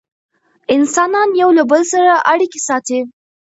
انسانان یو له بل سره اړیکې ساتي.